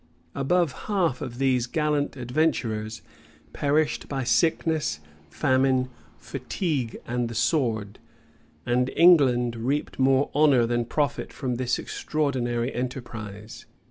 Above half of these gallant adventurers perished by sickness, famine, fatigue, and the sword;[*] and England reaped more honor than profit from this extraordinary enterprise.